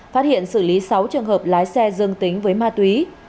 phát hiện xử lý sáu trường hợp lái xe dương tính với ma túy